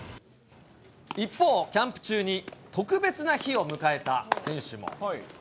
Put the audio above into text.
一方、キャンプ中に特別な日を迎えた選手も。